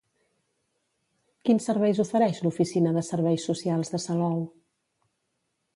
Quins serveis ofereix l'oficina de serveis socials de Salou?